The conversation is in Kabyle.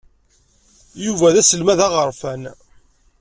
Yuba d aselmad aɣerfan.